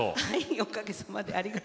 おかげさまで。